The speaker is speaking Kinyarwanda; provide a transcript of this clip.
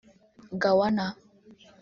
Gawana